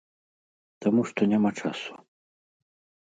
Таму што няма часу.